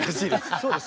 そうですか？